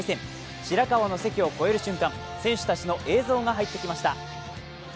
白河の関を越える瞬間、選手たちの映像が入ってきました。